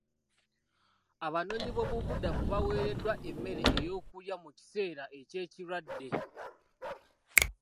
Abanoonyi b'obubudamu baweereddwa emmere ey'okulya mu kiseera eky'ekirwadde.